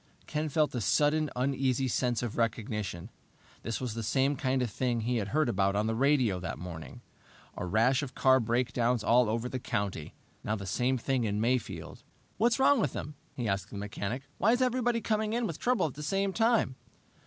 Ken felt a sudden, uneasy sense of recognition. This was the same kind of thing he had heard about on the radio that morning! A rash of car breakdowns all over the country. Now, the same thing in Mayfield! "What's wrong with them?" he asked the mechanic. "Why is everybody coming in with trouble at the same time?"